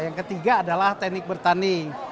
yang ketiga adalah teknik bertanding